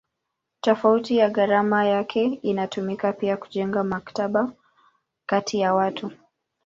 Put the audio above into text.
Tofauti ya gharama yake inatumika pia kujenga matabaka kati ya watu.